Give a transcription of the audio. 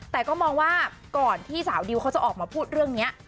แต่ก็มองว่าก่อนที่สาวดิวเขาจะออกมาพูดเรื่องนี้